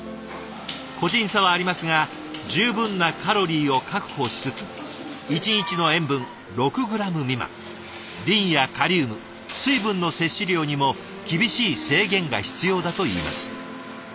個人差はありますが十分なカロリーを確保しつつ一日の塩分６グラム未満リンやカリウム水分の摂取量にも厳しい制限が必要だといいます。